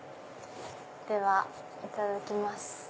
ではいただきます。